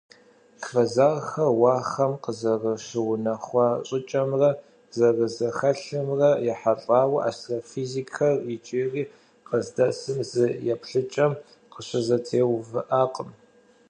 Квазархэр уахэм къызэрыщыунэхуа щIыкIэмрэ зэрызэхэлъымрэ ехьэлIауэ астрофизикхэр иджыри къыздэсым зы еплъыкIэм къыщызэтеувыIакъым.